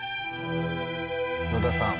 野田さん